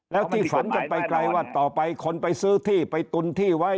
แล้วที่ฝันกันไปไกลว่าต่อไปคนไปซื้อที่ไปตุนที่ไว้